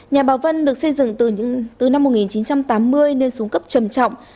nhà bảo vân được xây dựng từ năm một nghìn chín trăm tám mươi nên xuống cấp trầm trọng